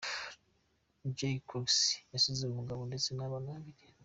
Jo Cox yasize umugabo ndetse n’abana babiri.